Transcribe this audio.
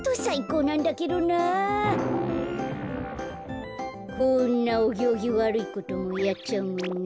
こんなおぎょうぎわるいこともやっちゃうもんね。